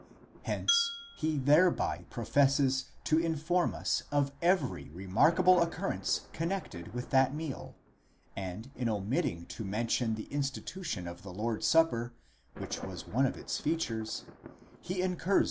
9 Hence he thereby professes to inform us of every re markable occurrence connected with that meal, and in omitting to mention the institution of the Lord's supper, which was one of its features, he incurs.